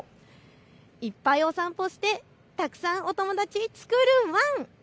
いっぱいお散歩してたくさんお友達作るワン！